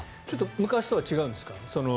昔とは違うんですか？